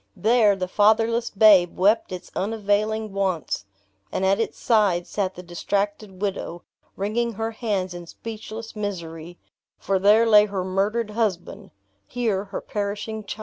There, the fatherless babe wept its unavailing wants, and at its side sat the distracted widow, wringing her hands in speechless misery; for there lay her murdered husband here, her perishing child!